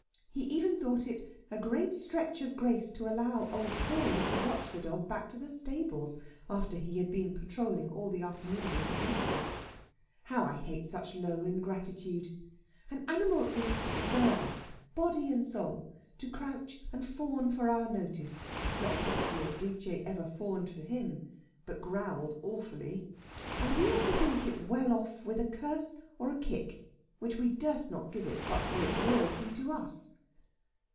He even thought it a great stretch of grace to allow old Cora to watch the dog back to the stables, after he had been patrolling all the afternoon with his mistress. How I hate such low ingratitude! An animal is to serve us, body and soul, to crouch and fawn for our notice not that Giudice ever fawned to him, but growled awfully and we are to think it well off with a curse or a kick, which we durst not give it but for its loyalty to us.